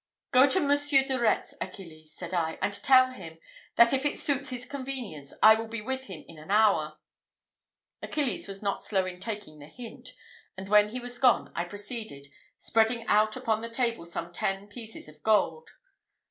"Go to Monsieur de Retz, Achilles," said I, "and tell him, that if it suits his convenience, I will be with him in an hour." Achilles was not slow in taking the hint; and when he was gone, I proceeded, spreading out upon the table some ten pieces of gold.